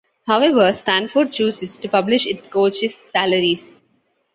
However, Stanford chooses to publish its coaches' salaries.